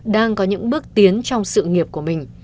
đang có những bước tiến trong sự nghiệp của mình